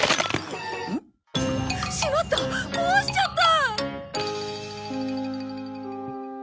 ん？しまった壊しちゃった！